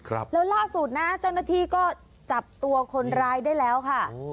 ครับแล้วล่าสุดนะเจ้าหน้าที่ก็จับตัวคนร้ายได้แล้วค่ะโอ้